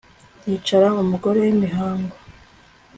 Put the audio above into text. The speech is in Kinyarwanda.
yicara umugore w'imihango